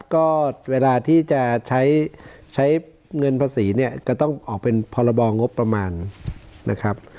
ก็เวลาที่จะใช้เงินภาษีเนี่ยก็ต้องออกเป็นพรบงบประมาณนะครับ